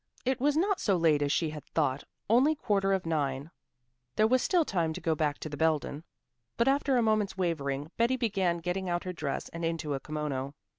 It was not so late as she had thought, only quarter of nine. There was still time to go back to the Belden. But after a moment's wavering Betty began getting out of her dress and into a kimono.